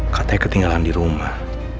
katanya ketinggalan di rumah